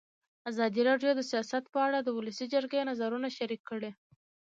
ازادي راډیو د سیاست په اړه د ولسي جرګې نظرونه شریک کړي.